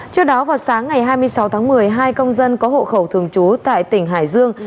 trước đó vào sáng ngày hai mươi sáu tháng một mươi hai công dân có hộ khẩu thường trú tại tỉnh hải dương